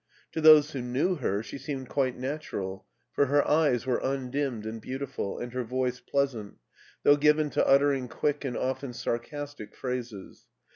To those who knew her she seemed quite nat ural, for her eyes were undimmed and beautiful, and her voice pleasant, though given to uttering quick and often sarcastic phrases.